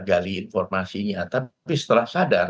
kita bisa mengambil informasinya tapi setelah sadar